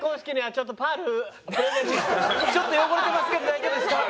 ちょっと汚れてますけど大丈夫ですか？